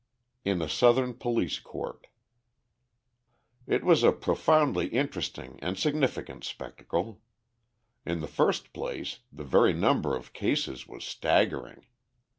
In a Southern Police Court It was a profoundly interesting and significant spectacle. In the first place the very number of cases was staggering.